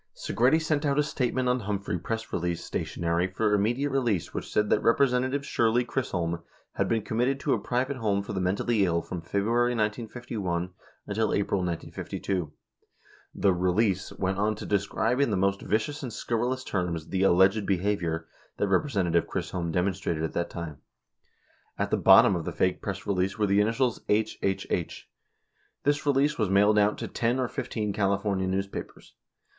Segretti sent out a statement on Humphrey press release station ery for immediate release which said that Representative Shirley Chisholm had been committed to a private home for the mentally ill from February 1951, until April 1952. The "release" went on to de scribe in the most vicious and scurrilous terms the "alleged behavior" that Representative Chisholm demonstrated at that time. At the bot tom of the fake press release were the initials HHH. This release was mailed out to 10 or 15 California newspapers.